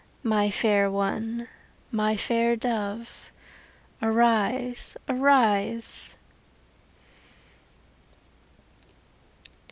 My fair one, my fair dove, Arise, arise!